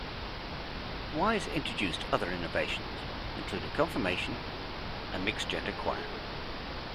Wise introduced other innovations, including confirmation, a mixed-gender choir.